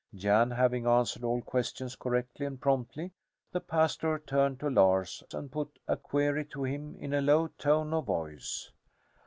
Jan having answered all questions correctly and promptly, the pastor turned to Lars and put a query to him in a low tone of voice.